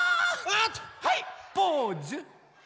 はいポーズ！